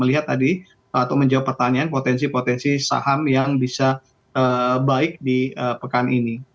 melihat tadi atau menjawab pertanyaan potensi potensi saham yang bisa baik di pekan ini